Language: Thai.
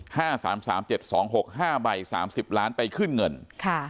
ห้าสามสามเจ็ดสองหกห้าใบสามสิบล้านไปขึ้นเงินค่ะ